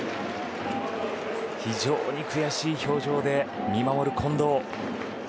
非常に悔しい表情で見守る近藤。